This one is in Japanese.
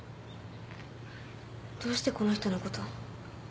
どうしてこの人のこと。